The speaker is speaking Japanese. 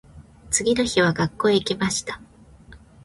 次の日は学校へ行きました。